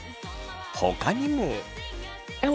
ほかにも。